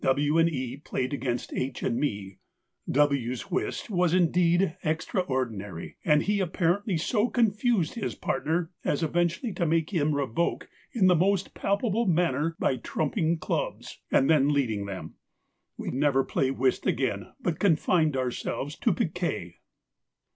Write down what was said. W. and E. played against H. and me; W.'s whist was indeed extraordinary, and he apparently so confused his partner as eventually to make him revoke in the most palpable manner by trumping clubs and then leading them. We never played whist again, but confined ourselves to piquet.